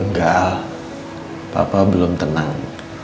enggak al papa belum tenang